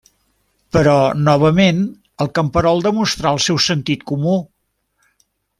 Però novament el camperol demostra el seu sentit comú.